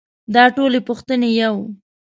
دا ټولې پوښتنې يو.